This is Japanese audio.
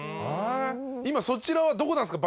今そちらはどこなんですか？